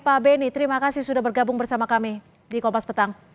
pak beni terima kasih sudah bergabung bersama kami di kompas petang